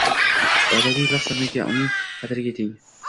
Oilaviy baxt sizniki, uning qadriga yeting